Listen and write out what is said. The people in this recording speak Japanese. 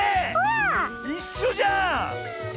いっしょじゃん！